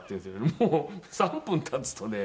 もう３分経つとね